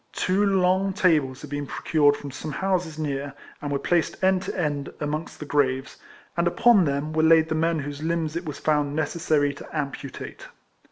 Two long tables had been procured from some houses near, and were placed end to end amongst the graves, and upon them were laid the men whose limbs it was found necessary to amputate.